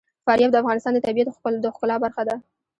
فاریاب د افغانستان د طبیعت د ښکلا برخه ده.